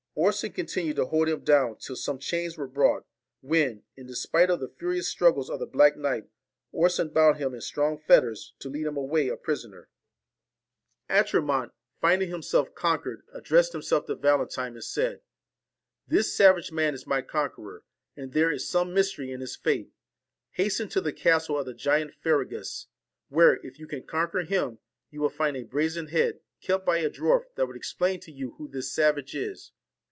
Orson continued to hold him down till some chains were brought, when, in despite of the furious struggles of the black knight, Orson bound him in strong fetters, to lead him away a prisoner. 45 VALEN Atramont, finding himself conquered, addressed TINE AND himself to Valentine, and said : 'This savage man ORSON i s m y conqueror, and there is some mystery in his fate. Hasten to the castle of the giant Ferragus, where, if you can conquer him, you will find a brazen head, kept by a dwarf, that will explain to you who this savage is.